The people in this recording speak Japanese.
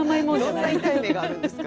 どんな痛い目があるんですか。